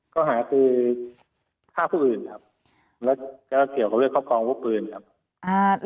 ข้อกล่าวหาคือค่าผู้อื่นครับและเที่ยวเขาเรียกครอบครองพวกปืนครับ